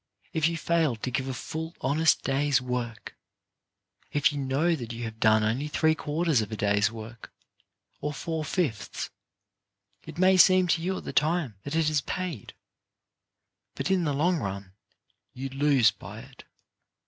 If you fail to give a full honest day's work, if you know that you have done only three quarters of a day's work, or four fifths, it may seem to you at the time that it has paid, but in the long run you lose by it.